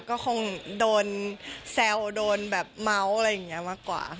ก็คงโดนแซวโดนแบบเมาส์อะไรอย่างนี้มากกว่า